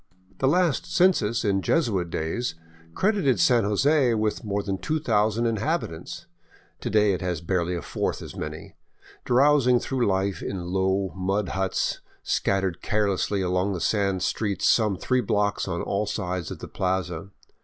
The last census in Jesuit days credited San Jose with more than 2000 inhabitants. To day it has barely a fourth as many, drowsing through life in low, mud huts scattered carelessly along the sand streets some three blocks on all sides of the plaza.